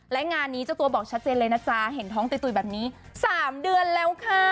และงานนี้เจ้าตัวบอกชัดเจนเลยนะจ๊ะเห็นท้องตุ๋ยแบบนี้๓เดือนแล้วค่ะ